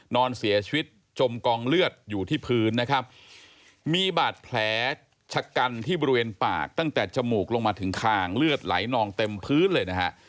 นอนเสียชีวิตจมกองเลือดอยู่ที่พื้นนะครับมีบาดแผลชะกันที่บริเวณปากตั้งแต่จมูกลงมาถึงคางเลือดไหลนองเต็มพื้นเลยนะฮะ